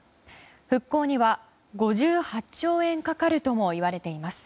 復興には、５８兆円かかるともいわれています。